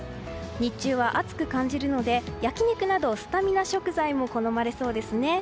日中は暑く感じるので焼き肉などスタミナ食材も好まれそうですね。